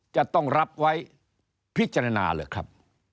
จะต้องรับไว้พิจารณาเหรอครับ